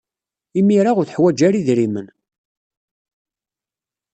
Imir-a, ur teḥwaj ara idrimen.